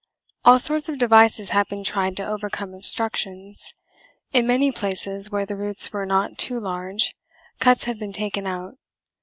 All sorts of devices had been tried to overcome obstructions. In many places, where the roots were not too large, cuts had been taken out.